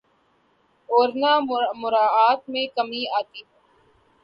اورنہ مراعات میں کمی آتی ہے۔